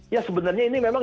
ya sebenarnya ini memang